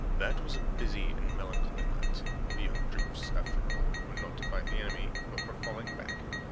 That was a busy and melancholy night. The young troops, after all, were not to fight the enemy, but were falling back.